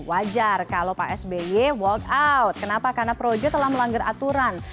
wajar kalau pak sby walkout kenapa karena projo telah melanggar aturan